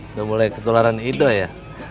udah mulai ketularan ido ya